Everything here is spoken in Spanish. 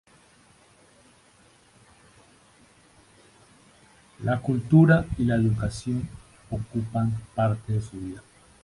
La cultura y la educación ocupaban parte de su vida.